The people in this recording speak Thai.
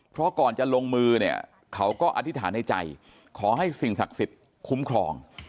เพราะก่อนจะลงมือเนี่ยเขาก็อธิษฐานในใจขอให้สิ่งศักดิ์สิทธิ์คุ้มครอง